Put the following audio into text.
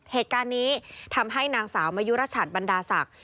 เหตุการณ์นี้ทำให้นางสาวมยุรชัดบรรดาศักดิ์